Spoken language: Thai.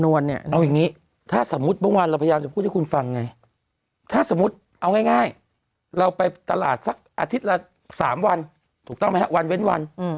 ๓วันถูกต้องไหมครับวันเว้นวัน